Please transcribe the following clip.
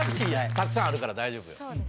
たくさんあるから大丈夫よ。